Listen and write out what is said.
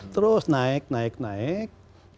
terus naik naik naik